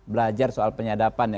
belajar soal penyadapan